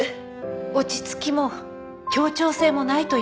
落ち着きも協調性もないという意味です。